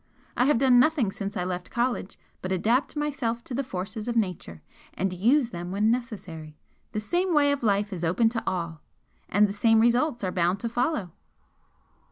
I have done nothing since I left college but adapt myself to the forces of Nature, AND TO USE THEM WHEN NECESSARY. The same way of life is open to all and the same results are bound to follow."